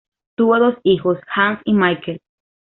Tuvo dos hijos, Hans y Michael.